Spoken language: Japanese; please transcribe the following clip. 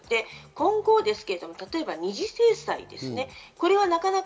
今後ですけれども二次制裁ですね。